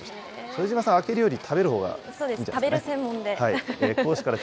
副島さん、開けるより食べるほうがいいんじゃないんですかね。